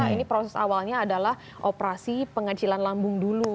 ini proses awalnya adalah operasi pengecilan lambung dulu